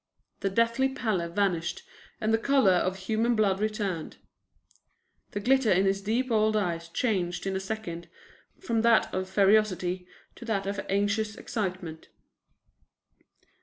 The deathly pallor vanished and the color of human blood returned. The glitter in his deep old eyes changed in a second from that of ferocity to that of anxious excitement.